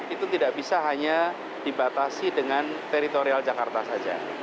itu tidak bisa hanya dibatasi dengan teritorial jakarta saja